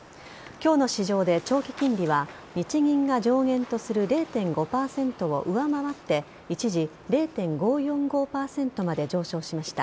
今日の市場で、長期金利は日銀が上限とする０．５％を上回って一時０．５４５％まで上昇しました。